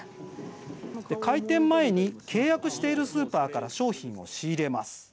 開店前に契約しているスーパーから商品を仕入れます。